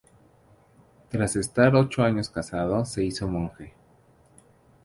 Tras estar ocho años casado se hizo monje.